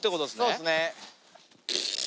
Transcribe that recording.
そうっすね。